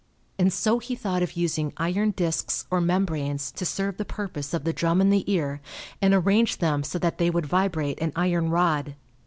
And so he thought of using iron disks or membranes to serve the purpose of the drum in the ear and arrange them so that they would vibrate an iron rod.